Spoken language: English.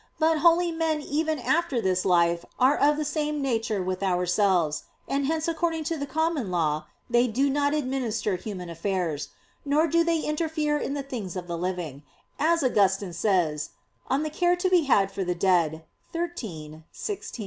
But holy men even after this life are of the same nature with ourselves; and hence according to the common law they do not administer human affairs, "nor do they interfere in the things of the living," as Augustine says (De cura pro mortuis xiii, xvi).